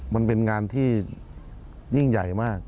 มันเป็นงานที่ยิ่งใหญ่มาก